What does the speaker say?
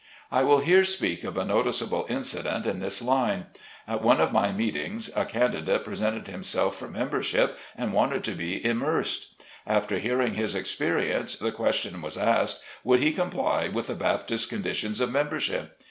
I will here speak of a noticeable incident in this line. At one of my meetings a candidate presented himself for membership and wanted to be immersed. After hearing his experience, the question was asked, would he comply with the Baptist conditions of membership?